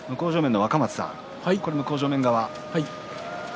若松さん、向正面側は。